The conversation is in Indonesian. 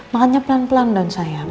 makannya pelan pelan doang sayang